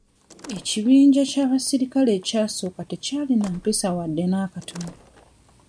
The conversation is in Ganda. Ekibinja ky'abasirikale ekyasooka tekyalina mpisa wadde n'akatono.